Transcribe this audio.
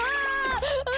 あ！